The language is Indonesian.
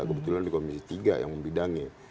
kebetulan di komisi tiga yang membidangi